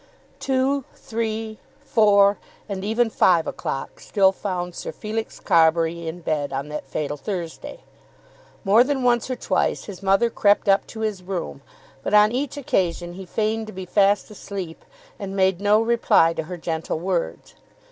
Two, three, four, and even five o'clock still found Sir Felix Carbury in bed on that fatal Thursday. More than once or twice his mother crept up to his room, but on each occasion he feigned to be fast asleep and made no reply to her gentle words.